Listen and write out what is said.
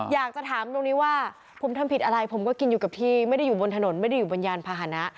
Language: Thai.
อยากจะถามตรงนี้ว่าผมทำผิดอะไรผมก็กินอยู่กับที่ไม่ได้อยู่บนถนนไม่ได้อยู่บนยานพาหนะ